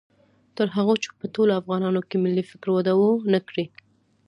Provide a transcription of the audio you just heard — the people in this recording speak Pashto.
تر هغو چې په ټولو افغانانو کې ملي فکر وده و نه کړي